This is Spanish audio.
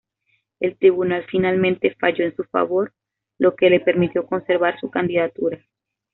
El tribunal finalmente falló en su favor, lo que le permitió conservar su candidatura.